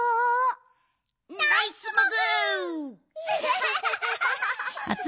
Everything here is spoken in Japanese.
ナイスモグ！